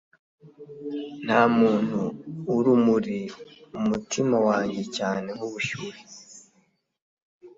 Ntamuntu urumuri umutima wanjye cyane nkubushyuhe